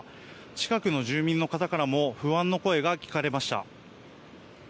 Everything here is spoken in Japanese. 近くの住民の方からも不安の声が聞かれました。